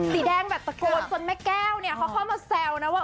สีแดงแบบตะโกนจนแม่แก้วเนี่ยเขาเข้ามาแซวนะว่า